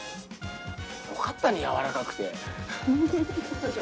よかったねやわらかくて。